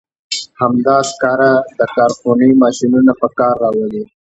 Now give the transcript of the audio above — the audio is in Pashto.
همدا سکاره د کارخونې ماشینونه په کار راولي.